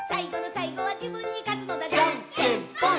「じゃんけんぽん！！」